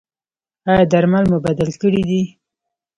ایا درمل مو بدل کړي دي؟